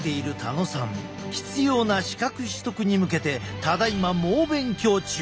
必要な資格取得に向けてただいま猛勉強中。